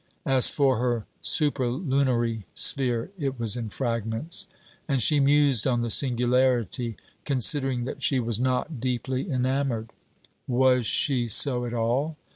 As for her superlunary sphere, it was in fragments; and she mused on the singularity, considering that she was not deeply enamoured. Was she so at all?